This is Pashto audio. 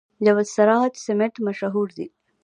جبل السراج سمنټ مشهور دي؟